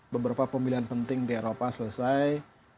beberapa pemilihan penting di eropa selesai